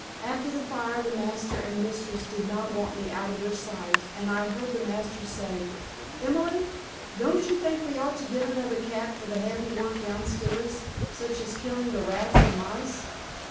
After the fire the master and mistress did not want me out of their sight and I heard master say, "Emily, don't you think we ought to get another cat for the heavy work down stairs, such as killing the rats and mice?"